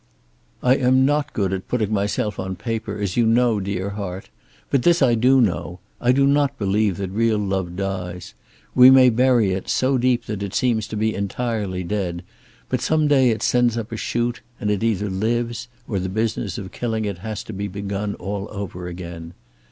"I am not good at putting myself on paper, as you know, dear heart. But this I do know. I do not believe that real love dies. We may bury it, so deep that it seems to be entirely dead, but some day it sends up a shoot, and it either lives, or the business of killing it has to be begun all over again.